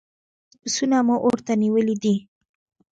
دوولس پسونه مو اور ته نيولي دي.